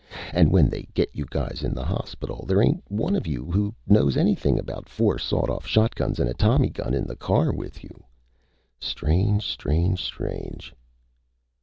And when they get you guys in the hospital there ain't one of you knows anything about four sawed off shotguns and a tommy gun in the car with you. Strange! Strange! Strange!"